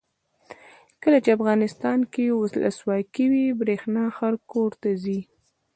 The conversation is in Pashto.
کله چې افغانستان کې ولسواکي وي برښنا هر کور ته ځي.